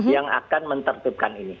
yang akan menertibkan ini